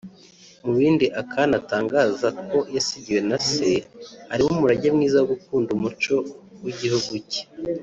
Mu bindi Akana atangaza ko yasigiwe na se harimo umurage mwiza wo gukunda umuco w’igihugu cye